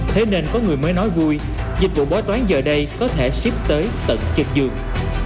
thế nên có người mới nói vui dịch vụ bói toán giờ đây có thể ship tới tận trực giường